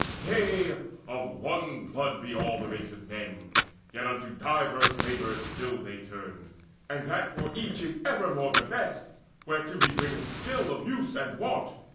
Yea, of one blood be all the race of men, Yet unto diverse labours still they turn; And that for each is evermore the best Whereto he bringeth skill of use and wont.